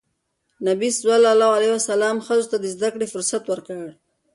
نبي ﷺ ښځو ته د زدهکړې فرصت ورکړ.